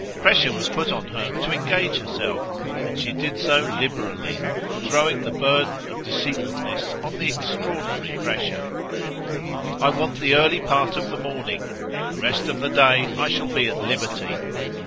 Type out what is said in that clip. Pressure was put on her to engage herself, and she did so liberally, throwing the burden of deceitfulness on the extraordinary pressure. "I want the early part of the morning; the rest of the day I shall be at liberty."